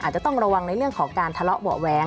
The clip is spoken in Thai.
จะต้องระวังในเรื่องของการทะเลาะเบาะแว้ง